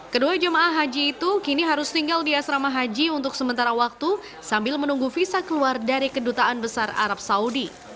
kedua jemaah haji itu kini harus tinggal di asrama haji untuk sementara waktu sambil menunggu visa keluar dari kedutaan besar arab saudi